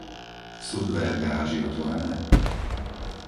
Sú dvere v garáži otvorené?